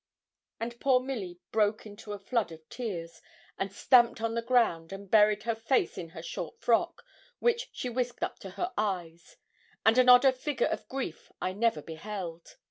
And poor Milly broke into a flood of tears, and stamped on the ground, and buried her face in her short frock, which she whisked up to her eyes; and an odder figure of grief I never beheld.